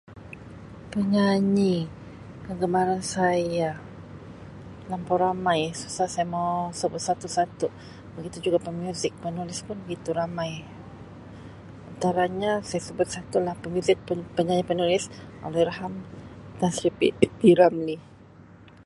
Penyanyi kegemaran saya terlampau ramai susah saya mau sebut satu-satu begitu juga pemuzik, penulis pun begitu ramai. antaranya saya sebut salah satu lah, pemuzik, penyanyi, penulis Allahyarham Tan Sri P. Ramlee.